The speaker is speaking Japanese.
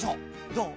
どう？